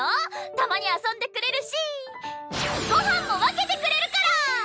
たまに遊んでくれるしご飯も分けてくれるから！